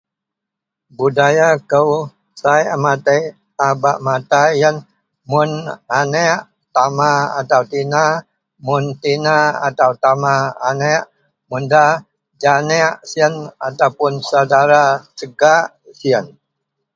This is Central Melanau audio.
Budaya kou sai a matek a bak matai iyen mun anek tama atau tina mun tina atau tama anek mun da janek siyen atau saudara segak siyen.